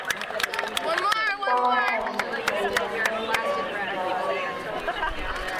Schwaber has two daughters, Carey and Valerie.